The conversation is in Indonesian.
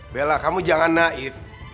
bella kamu jangan naif